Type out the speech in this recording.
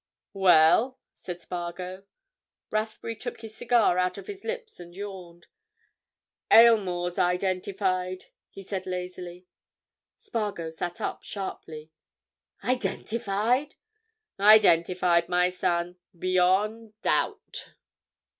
"Well?" said Spargo. Rathbury took his cigar out of his lips and yawned. "Aylmore's identified," he said lazily. Spargo sat up, sharply. "Identified!" "Identified, my son. Beyond doubt."